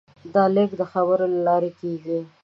دا لېږد د خبرو له لارې کېږي.